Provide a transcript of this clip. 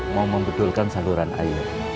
mau membedulkan saluran air